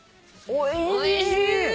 おいしい！